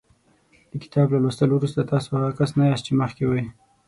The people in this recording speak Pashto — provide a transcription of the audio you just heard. د کتاب له لوستلو وروسته تاسو هغه کس نه یاست چې مخکې وئ.